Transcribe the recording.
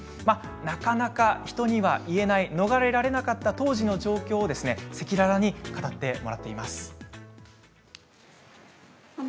なかなか人には言えない逃れられなかった当時の状況を赤裸々に語ってもらっています。